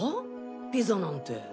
ピザなんて。